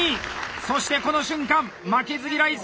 そしてこの瞬間「負けず嫌い先生」